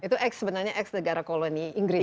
itu sebenarnya ex negara koloni inggris